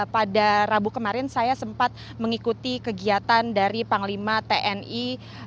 pada rabu kemarin saya sempat mengikuti kegiatan dari panglima tni